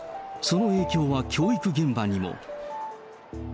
その影響は教育現場にも。